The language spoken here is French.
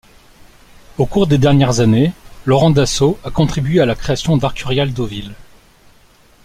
Au cours des dernières années, Laurent Dassault a contribué à la création d’Artcurial Deauville.